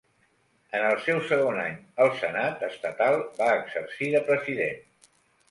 En el seu segon any al senat estatal, va exercir de president.